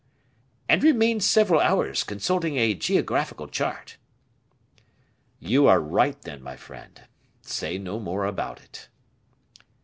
"And remained several hours consulting a geographical chart." "You are right, then, my friend; say no more about it."